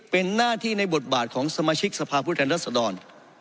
เป็นหน้าที่ในบทบาทของสมาชิกสภาพผู้แทนรัศดร